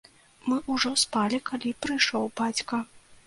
Мы ўжо спалі, калі прыйшоў бацька.